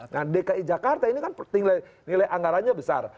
nah dki jakarta ini kan nilai anggarannya besar